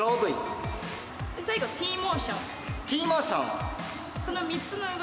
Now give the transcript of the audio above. で最後Ｔモーション。